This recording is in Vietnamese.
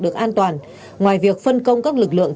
được an toàn ngoài việc phân công các lực lượng